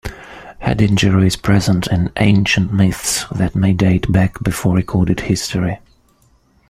Head injury is present in ancient myths that may date back before recorded history.